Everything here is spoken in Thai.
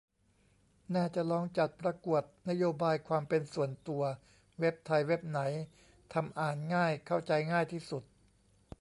น่าจะลองจัดประกวด "นโยบายความเป็นส่วนตัว" เว็บไทย เว็บไหนทำอ่านง่ายเข้าใจง่ายที่สุด